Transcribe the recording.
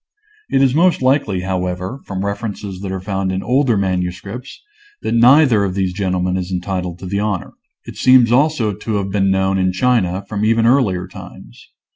It is most likely, however, from references that are found in older manuscripts, that neither of these gentlemen is entitled to the honor. It seems also to have been known in China from even earlier times.